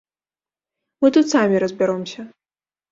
Мы тут самі разбяромся.